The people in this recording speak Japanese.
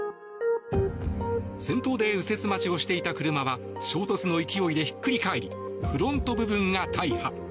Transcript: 先頭で右折待ちをしていた車は衝突の勢いでひっくり返りフロント部分が大破。